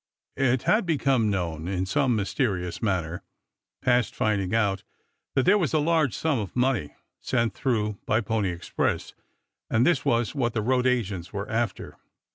It had become known in some mysterious manner, past finding out, that there was to be a large sum of money sent through by Pony Express and this was what the road agents were after.